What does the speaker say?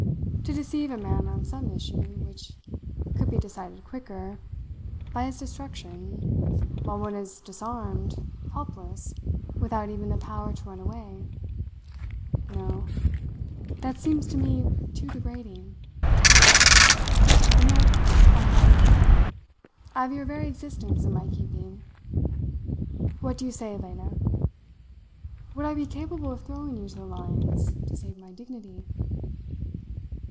To deceive a man on some issue which could be decided quicker, by his destruction while one is disarmed, helpless, without even the power to run away no! That seems to me too degrading. And yet I have you here. I have your very existence in my keeping. What do you say, Lena? Would I be capable of throwing you to the lions to save my dignity?"